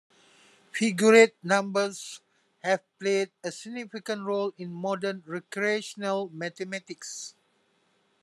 Figurate numbers have played a significant role in modern recreational mathematics.